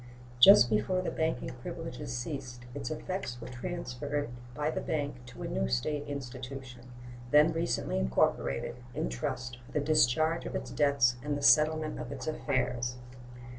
Just before the banking privileges ceased, its effects were transferred by the bank to a new State institution, then recently incorporated, in trust, for the discharge of its debts and the settlement of its affairs.